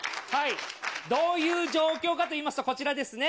どういう状況かといいますと、こちらですね。